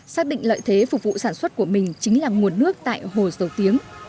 xác định lợi thế phục vụ sản xuất của mình chính là nguồn nước tại hồ dầu tiếng